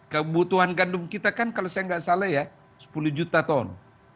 kebutuhan gandum kita kan kalau saya nggak salah ya sepuluh juta ton